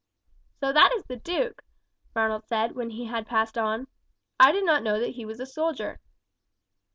"So that is the duke!" Ronald said when he had passed on. "I did not know he was a soldier."